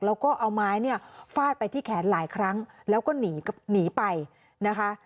แล้วก็เอาไม้เนี่ยฟาดไปที่แขนหลายครั้งแล้วก็หนีไปนะคะ